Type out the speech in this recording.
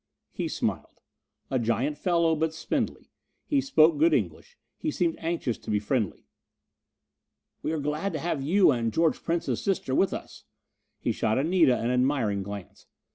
He smiled. A giant fellow, but spindly. He spoke good English. He seemed anxious to be friendly. "We are glad to have you and George Prince's sister with us." He shot Anita an admiring glance.